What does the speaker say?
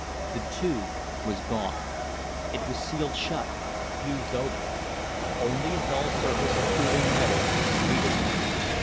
The Tube was gone. It was sealed shut, fused over. Only a dull surface of cooling metal greeted them.